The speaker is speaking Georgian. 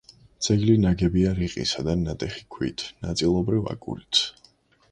ძეგლი ნაგებია რიყისა და ნატეხი ქვით, ნაწილობრივ აგურით.